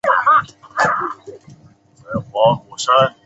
李同度。